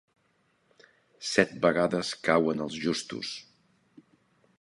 Set vegades cauen els justos.